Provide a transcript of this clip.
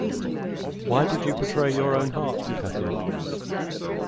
Why did you betray your own heart, Cathy?